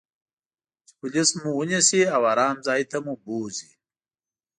چې پولیس مو و نییسي او آرام ځای ته مو بوزي.